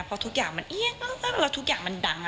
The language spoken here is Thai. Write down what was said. เพราะทุกอย่างมันเอี๊ยงแล้วทุกอย่างมันดัง